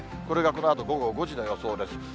これがこのあと午後５時の予想です。